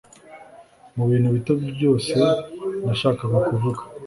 mubintu bito byose nashakaga kuvuga ....